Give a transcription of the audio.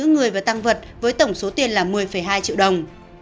người và tăng vật với tổng số tiền là một mươi hai triệu đồng